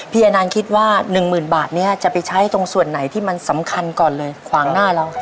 อนานคิดว่าหนึ่งหมื่นบาทนี้จะไปใช้ตรงส่วนไหนที่มันสำคัญก่อนเลยขวางหน้าเรา